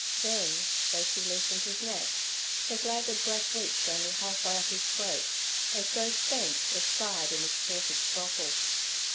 Then, though she loosened his neck, his laboured breath reached only half way up his throat; as though spent, it sighed in a thwarted throttle.